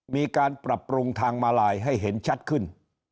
มีการปรับปรุงทางมาลายให้เห็นชัดขึ้น